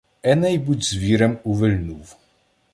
Еней буть звірем увильнув.